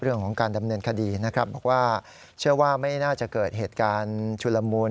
เรื่องของการดำเนินคดีนะครับบอกว่าเชื่อว่าไม่น่าจะเกิดเหตุการณ์ชุลมูล